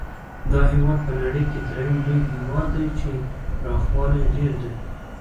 دا هېواد په نړۍ کې درېم لوی هېواد دی چې پراخوالی یې ډېر دی.